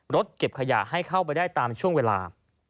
รถเก็บขยะให้เข้าไปได้ตามช่วงเวลา